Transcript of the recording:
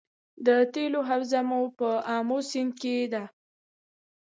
د تیلو حوزه په امو سیند کې ده